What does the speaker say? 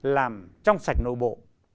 làm trong sạch nội bộ